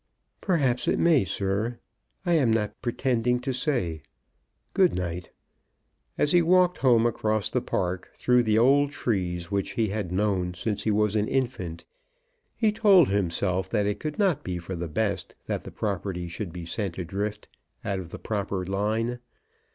"Perhaps it may, sir. I am not pretending to say. Good night." As he walked home across the park, through the old trees which he had known since he was an infant, he told himself that it could not be for the best that the property should be sent adrift, out of the proper line.